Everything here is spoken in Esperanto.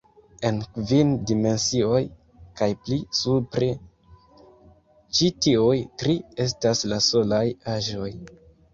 En kvin dimensioj kaj pli supre, ĉi tiuj tri estas la solaj aĵoj.